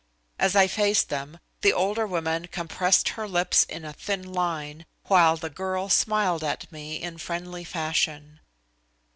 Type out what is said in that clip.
As I faced them, the older woman compressed her lips in a thin line, while the girl smiled at me in friendly fashion.